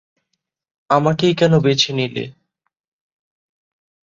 আমাকেই কেন বেছে নিলে?